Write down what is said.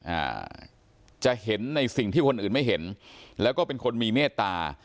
อ่าจะเห็นในสิ่งที่คนอื่นไม่เห็นแล้วก็เป็นคนมีเมตตา